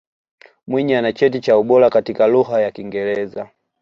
Mwinyi ana cheti cha ubora katika Lugha ya Kiingereza